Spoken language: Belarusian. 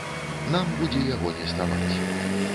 Нам будзе яго не ставаць.